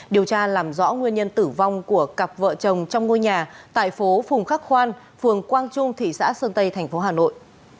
điều tra làm rõ nguyên nhân tử vong của cặp vợ chồng trong ngôi nhà tại phố phùng khắc khoan phường quang trung thị xã sơn tây tp hà nội